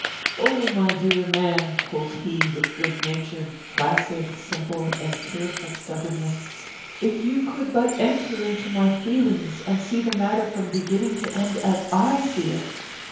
"O my dear man," quoth he, with good natured, placid, simple, and tearful stubbornness, "if you could but enter into my feelings and see the matter from beginning to end as I see it!"